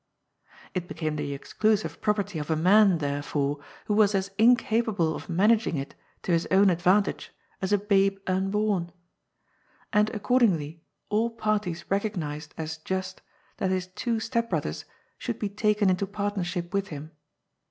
It became the exclusive property of a man, therefore, who was as incapable of managing it to his own advantage as a babe unborn. And accordingly all parties recognised as just that his two step brothers should be taken into partnership with him.